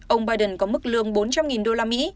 ông biden có mức lương bốn trăm linh đô la mỹ